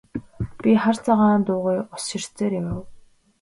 Би хар цагаан дуугүй ус ширтсээр явав.